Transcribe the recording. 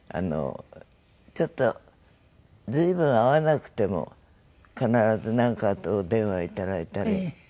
ちょっと随分会わなくても必ずなんかあるとお電話いただいたり。